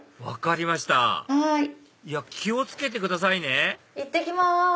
分かりましたいや気を付けてくださいねいってきます！